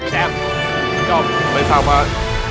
แชมป์จบไปสร้างมา